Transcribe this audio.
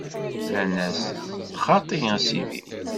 Rran-as: Xaṭi a Sidi!